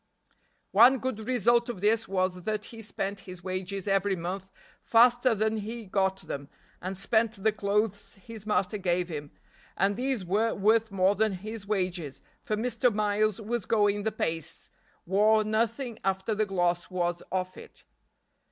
One good result of this was that he spent his wages every month faster than he got them, and spent the clothes his master gave him, and these were worth more than his wages, for Mr. Miles was going the pace wore nothing after the gloss was off it.